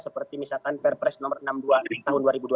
seperti misalkan perpres nomor enam puluh dua tahun dua ribu dua puluh